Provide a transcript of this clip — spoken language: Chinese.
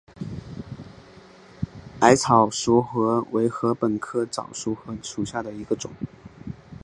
矮早熟禾为禾本科早熟禾属下的一个种。